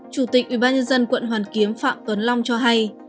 chủ tịch ubnd quận hoàn kiếm phạm tuấn long cho hay